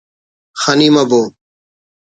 خنی مبو